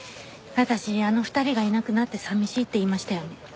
私あの２人がいなくなって寂しいって言いましたよね。